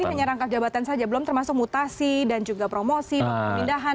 ini hanya rangkap jabatan saja belum termasuk mutasi dan juga promosi pemindahan